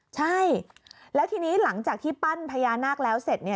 ใช่แล้วทีนี้หลังจากที่ปั้นพญานาคแล้วเสร็จ